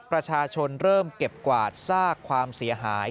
ประชาชนเริ่มเก็บกวาดซากความเสียหาย